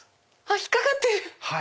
引っ掛かってる！